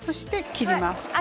切ります。